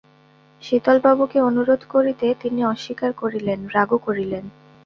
শীতলবাবুকে অনুরোধ করিতে তিনি অস্বীকার করিলেন, রাগও করিলেন।